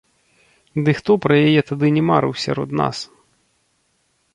Ды хто пра яе тады не марыў сярод нас?